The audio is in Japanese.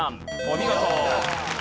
お見事。